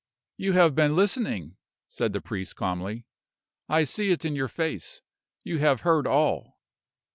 "You have been listening," said the priest, calmly. "I see it in your face. You have heard all."